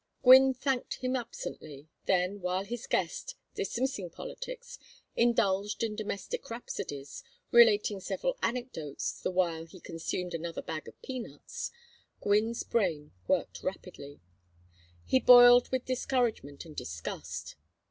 Gwynne thanked him absently; then, while his guest, dismissing politics, indulged in domestic rhapsodies, relating several anecdotes the while he consumed another bag of peanuts, Gwynne's brain worked rapidly. He boiled with discouragement and disgust.